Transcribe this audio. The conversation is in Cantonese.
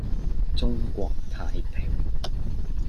中國太平